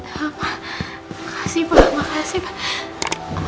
apa makasih pak makasih pak